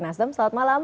nasdem selamat malam